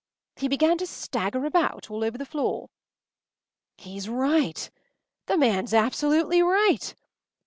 He began to stagger about all over the floor. “He’s right! The man’s absolutely right!